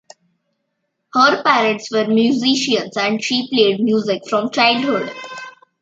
Her parents were musicians, and she played music from childhood.